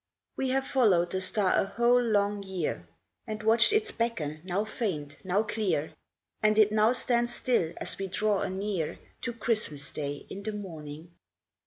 We have followed the Star a whole long year, And watched its beckon, now faint, now clear, And it now stands still as we draw anear To Christmas Day in the morning.